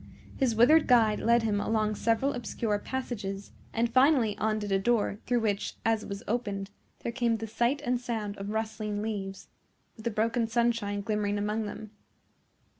His withered guide led him along several obscure passages, and finally undid a door, through which, as it was opened, there came the sight and sound of rustling leaves, with the broken sunshine glimmering among them.